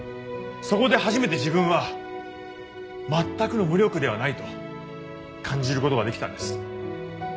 そこで初めて自分はまったくの無力ではないと感じることができたんです。